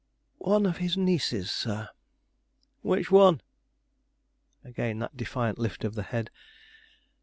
"One of his nieces, sir." "Which one?" Again that defiant lift of the head.